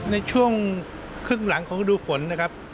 ในช่วงครึ่งหลังของฤดูฝนนะครับ